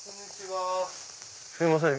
すいません